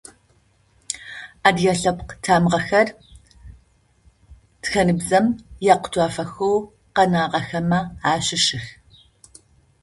Адыгэ лъэпкъ тамыгъэхэр, тхэныбзэм икъутафэхэу къэнагъэхэмэ ащыщых.